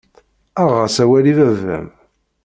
Aɣ-as awal i baba-m.